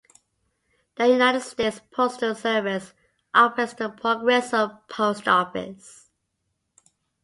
The United States Postal Service operates the Progreso Post Office.